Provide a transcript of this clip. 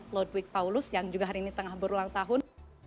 lodwig paulus yang juga hari ini tengah berulang tahun